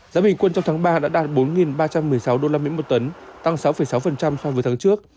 giá bình quân trong tháng ba đã đạt bốn ba trăm một mươi sáu đô la mỹ một tấn tăng sáu sáu so với tháng trước